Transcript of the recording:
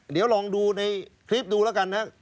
เดี๋ยวลองดูในคลิปดูแล้ว